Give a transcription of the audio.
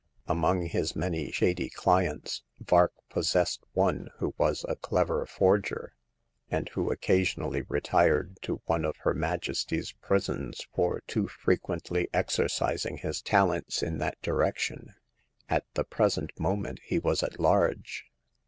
Among his many shady clients Vark possessed one who was a clever forger, and who occasion ally retired to one of Her Majesty's prisons for too frequently exercising his talents in that di rection. At the present moment he was at large.